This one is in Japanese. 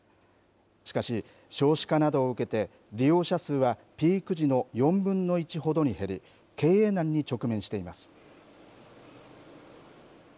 しかし、少子化などを受けて利用者数はピーク時の４分の１ほどに減り経営難に直面しています。